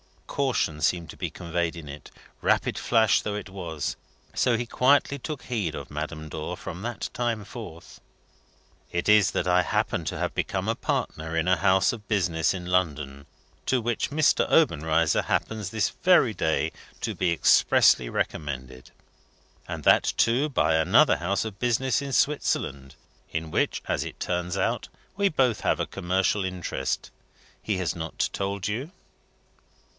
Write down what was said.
A caution seemed to be conveyed in it, rapid flash though it was; so he quietly took heed of Madame Dor from that time forth. "It is that I happen to have become a partner in a House of business in London, to which Mr. Obenreizer happens this very day to be expressly recommended: and that, too, by another house of business in Switzerland, in which (as it turns out) we both have a commercial interest. He has not told you?"